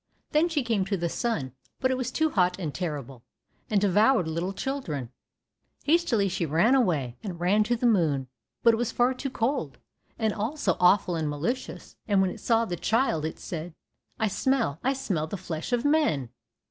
Then she came to the sun, but it was too hot and terrible, and devoured little children. Hastily she ran away, and ran to the moon, but it was far too cold, and also awful and malicious, and when it saw the child, it said, "I smell, I smell the flesh of men."